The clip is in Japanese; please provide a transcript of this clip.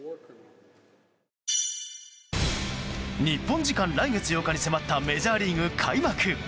日本時間来月８日に迫ったメジャーリーグ開幕。